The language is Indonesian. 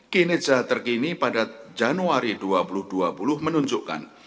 kinerja terkini pada januari dua ribu dua puluh menunjukkan